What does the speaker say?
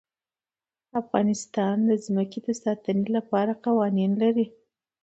افغانستان د ځمکه د ساتنې لپاره قوانین لري.